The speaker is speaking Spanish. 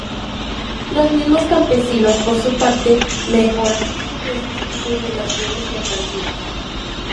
Los mismos campesinos por su parte mejoran sus ingresos y sus relaciones mercantiles.